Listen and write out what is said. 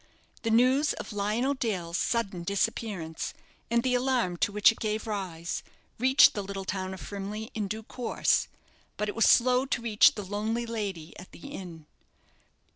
The news of Lionel Dale's sudden disappearance, and the alarm to which it gave rise, reached the little town of Frimley in due course; but it was slow to reach the lonely lady at the inn.